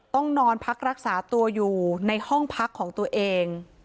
ต้องนอนพักรักษาตัวอยู่ในห้องพักของตัวเอง